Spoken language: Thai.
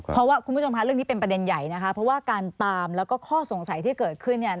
เพราะว่าคุณผู้ชมค่ะเรื่องนี้เป็นประเด็นใหญ่นะคะเพราะว่าการตามแล้วก็ข้อสงสัยที่เกิดขึ้นเนี่ย